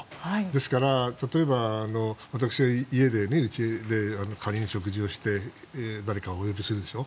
ですから例えば私、家で仮に食事をして誰かをお呼びするでしょ。